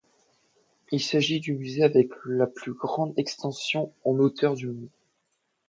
Il s'agit du musée avec la plus grande extension en hauteur du monde.